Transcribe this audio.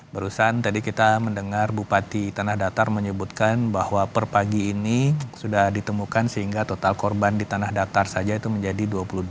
barusan tadi kita mendengar bupati tanah datar menyebutkan bahwa per pagi ini sudah ditemukan sehingga total korban di tanah datar saja itu menjadi dua puluh dua